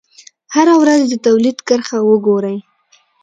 هره ورځ د تولید کرښه وګورئ.